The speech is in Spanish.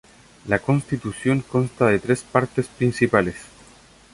La Constitución consta de tres partes principales.